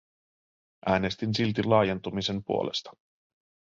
Äänestin silti laajentumisen puolesta.